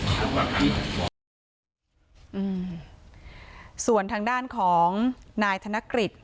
พ่อที่ทำร้ายพลังงาน